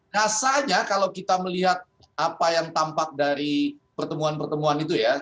rasanya kalau kita melihat apa yang tampak dari pertemuan pertemuan itu ya